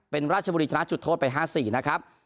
เป็นราชบุรีชนะจุดโทษไป๕๔นะครับ